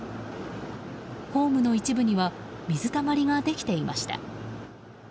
ホームの一部には水たまりができていました。